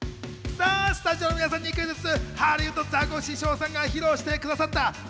さぁ、スタジオの皆さんにクイズッス。